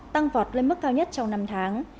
tăng vọt lên mức cao nhất trong năm tháng